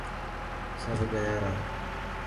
سڀ گيا را.